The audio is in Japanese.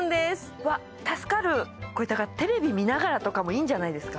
うわっ助かるこれだからテレビ見ながらとかもいいんじゃないですか